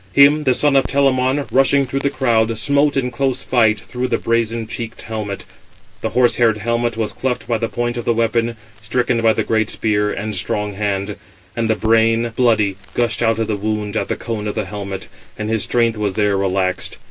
Him the son of Telamon, rushing through the crowd, smote in close fight through the brazen cheeked helmet. The horse haired helmet was cleft by the point of the weapon, stricken by the great spear and strong hand; and the brain, bloody, gushed out of the wound at the cone of the helmet; 556 and his strength was there relaxed.